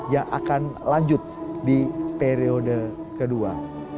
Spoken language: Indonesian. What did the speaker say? yang akan lanjut di periode kedua